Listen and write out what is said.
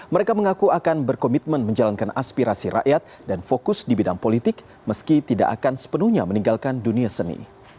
mereka mengaku akan berkomitmen menjalankan aspirasi rakyat dan fokus di bidang politik meski tidak akan sepenuhnya meninggalkan dunia seni